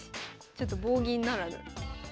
ちょっと棒銀ならぬ。